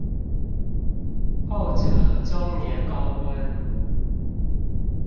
後者終年高溫